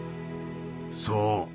そう。